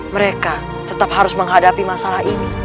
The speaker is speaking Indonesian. mereka tetap harus menghadapi masalah ini